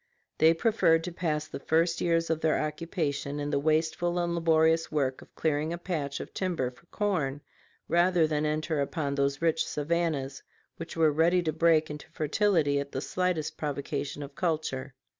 They preferred to pass the first years of their occupation in the wasteful and laborious work of clearing a patch of timber for corn, rather than enter upon those rich savannas which were ready to break into fertility at the slightest provocation of culture.